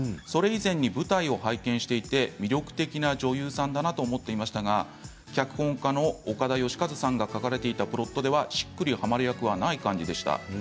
それ以前に舞台を拝見していて魅力的な女優さんだなと思っていましたが脚本家の岡田惠和さんが書かれていたプロットではしっくりはまる役はない感じでした。